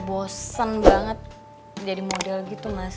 bosen banget jadi model gitu mas